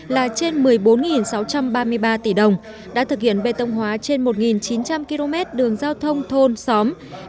là trên một mươi bốn sáu trăm ba mươi ba tỷ đồng đã thực hiện bê tông hóa trên một chín trăm linh km đường giao thông thôn xóm